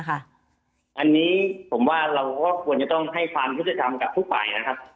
อันนี้จะต้องควรให้ความพฤติกรรมกับทุกฝ่ายนะครับ